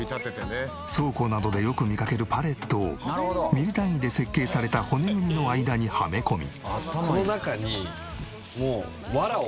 倉庫などでよく見かけるパレットをミリ単位で設計された骨組みの間にはめ込み。